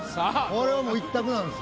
これはもう一択なんです。